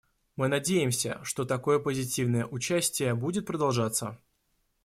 Мы надеемся, что такое позитивное участие будет продолжаться.